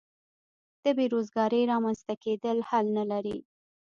د بې روزګارۍ رامینځته کېدل حل نه لري.